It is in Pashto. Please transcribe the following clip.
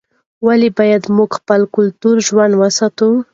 ولې باید موږ خپل کلتور ژوندی وساتو؟